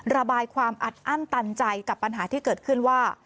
ระบายความอัดอั้นตันใจกับปัญหาที่เกิดขึ้นว่า